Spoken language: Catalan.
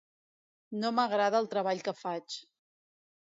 No m'agrada el treball que faig.